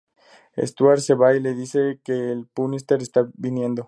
Stuart se va y le dice que el Punisher está viniendo.